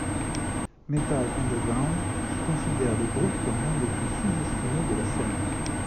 Metal Underground considère le groupe comme l'un des plus sous-estimés de la scène.